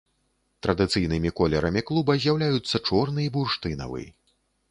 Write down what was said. Традыцыйнымі колерамі клуба з'яўляюцца чорны і бурштынавы.